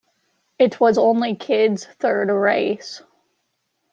It was only Kidd's third race.